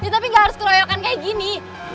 tapi gak harus keroyokan kayak gini